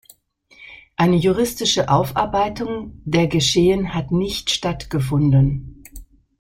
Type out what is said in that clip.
Eine juristische Aufarbeitung der Geschehen hat nicht stattgefunden.